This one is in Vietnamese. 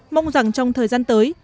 mong rằng trong thời gian tới